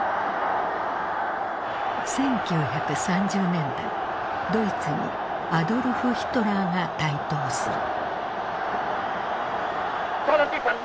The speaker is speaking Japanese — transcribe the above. １９３０年代ドイツにアドルフ・ヒトラーが台頭する。